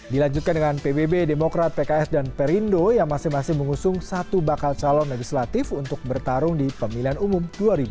dilanjutkan dengan pbb demokrat pks dan perindo yang masing masing mengusung satu bakal calon legislatif untuk bertarung di pemilihan umum dua ribu dua puluh